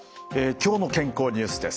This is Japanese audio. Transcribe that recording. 「きょうの健康ニュース」です。